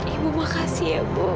ibu makasih ya bu